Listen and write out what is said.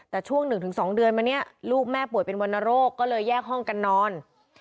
แต่ช่วง๑๒เดือนมาเนี่ยลูกแม่ป่วยเป็นวรรณโรคก็เลยแยกห้องกันนอน